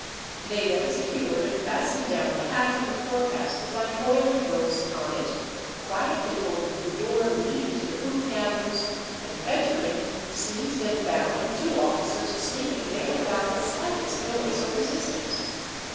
They then secured and fastened down the hatch of the forecastle by coiling ropes upon it, quietly opened the door leading to the poop cabins, and entering, seized and bound two officers sleeping there without the slightest noise or resistance.